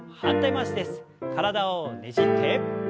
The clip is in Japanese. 体をねじって。